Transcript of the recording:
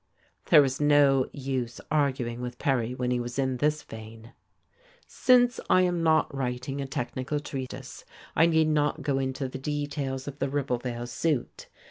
There was no use arguing with Perry when he was in this vein.... Since I am not writing a technical treatise, I need not go into the details of the Ribblevale suit.